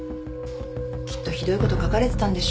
きっとひどいこと書かれてたんでしょう？